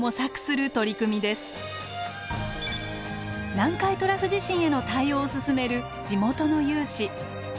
南海トラフ地震への対応を進める地元の有志。